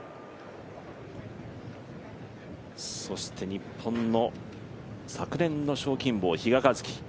そして日本の昨年の賞金王、比嘉一貴。